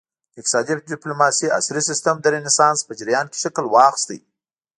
د اقتصادي ډیپلوماسي عصري سیسټم د رینسانس په جریان کې شکل واخیست